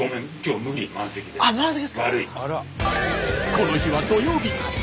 この日は土曜日。